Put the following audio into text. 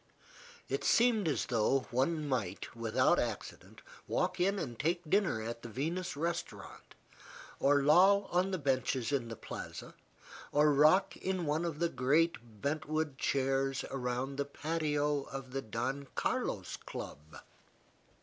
It seemed as though one might, without accident, walk in and take dinner at the Venus Restaurant, or loll on the benches in the Plaza, or rock in one of the great bent wood chairs around the patio of the Don Carlos Club.